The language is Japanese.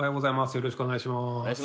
よろしくお願いします。